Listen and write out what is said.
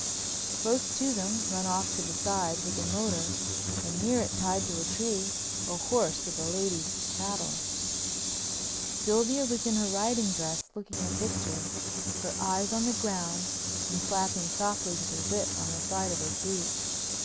Close to them, run off to the side, was a motor and near it tied to a tree a horse with a lady's saddle. Sylvia was in her riding dress, looking a picture, her eyes on the ground and slapping softly with her whip on the side of her boot.